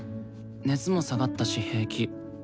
熱も下がったし平気。